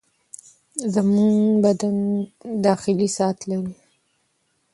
زموږ بدن داخلي ساعت لري.